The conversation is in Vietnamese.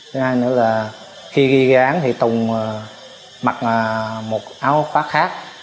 thứ hai nữa là khi ghi gán thì tùng mặc một áo khóa khác